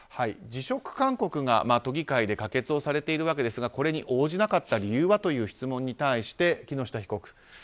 辞職勧告が都議会で可決されているわけですがこれに応じなかった理由はという質問に対して木下被告。